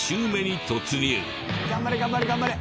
頑張れ頑張れ頑張れ。